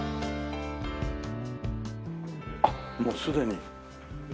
あっもうすでに。